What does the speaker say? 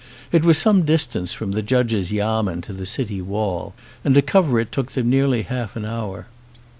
It was some distance from the judge's yamen to the city wall and to cover it took them nearly half an hour.